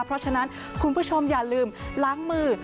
เพราะฉะนั้นคุณผู้ชมอย่าลืมล้างมือ